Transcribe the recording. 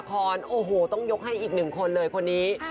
ก็ก็มีอีกหนึ่งคนเลยคนนี้